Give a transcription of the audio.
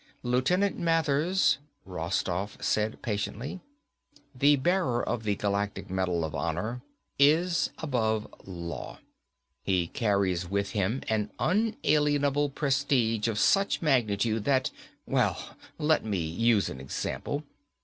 "Lieutenant Mathers," Rostoff said patiently, "the bearer of the Galactic Medal of Honor is above law. He carries with him an unalienable prestige of such magnitude that ... Well, let me use an example.